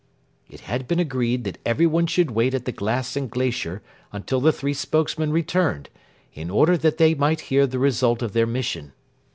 It had been agreed that everyone should wait at the Glass and Glacier until the three spokesmen returned, in order that they might hear the result of their mission.